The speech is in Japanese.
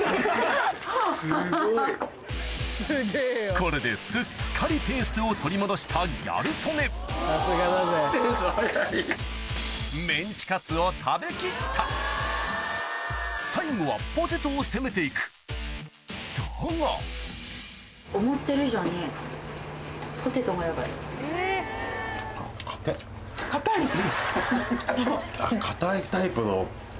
これですっかりペースを取り戻したギャル曽根・ペース早い・最後はポテトを攻めていくだがかたいです。